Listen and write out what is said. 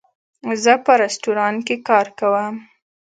زه په رستورانټ کې کار کوم